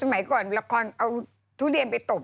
สมัยก่อนละครเอาทุเรียนไปตบ